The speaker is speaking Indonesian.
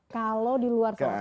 kalau di luar sholat